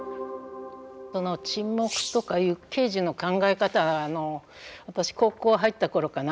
その沈黙とかいうケージの考え方は私高校入った頃かな